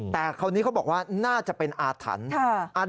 แต่คราวนี้เขาบอกว่าน่าจะเป็นอาถรรพ์